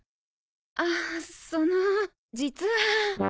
ああその実は。